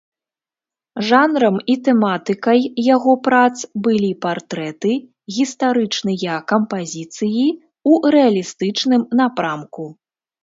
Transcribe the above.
Жанрам і тэматыкай яго прац былі партрэты, гістарычныя кампазіцыі ў рэалістычным напрамку.